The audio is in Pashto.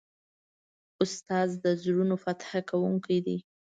استاد د زړونو فتح کوونکی دی.